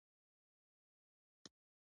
دا یې لایتناهي هوښیاري ته په امانت سپاري